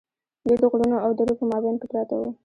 دوی د غرونو او درو په مابین کې پراته وو.